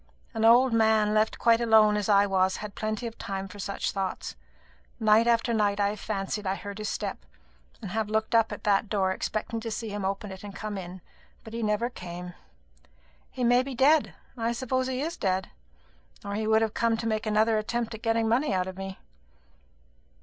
An old man left quite alone as I was had plenty of time for such thoughts. Night after night I have fancied I heard his step, and have looked up at that door expecting to see him open it and come in; but he never came. He may be dead. I suppose he is dead; or he would have come to make another attempt at getting money out of me."